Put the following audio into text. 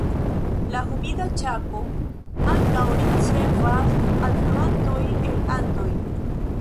La Humida Ĉako ankaŭ ricevas alfluantoj el Andoj.